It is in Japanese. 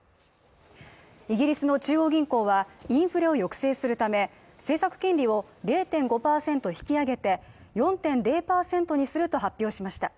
イギリスの中央銀行はインフレを抑制するため政策金利を０．５％引き上げて、４．０％にすると発表しました。